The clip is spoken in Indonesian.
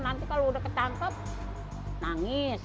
nanti kalau udah ketangkep nangis